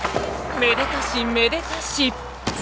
［めでたしめでたし］